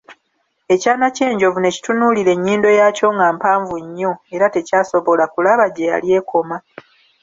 Ekyana ky'enjovu ne kitunulira ennyindo yaakyo nga mpanvu nnyo, era tekyasobola kulaba gye yali ekoma.